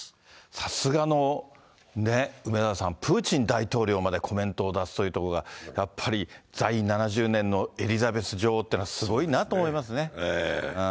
さすがの、ね、梅沢さん、プーチン大統領までコメントを出すというところが、やっぱり在位７０年のエリザベス女王っていうのはすごいなと思いますね。